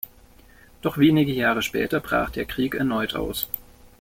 Doch wenige Jahre später brach der Krieg erneut aus.